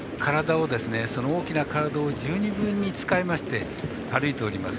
大きな体を十二分に使いまして歩いています。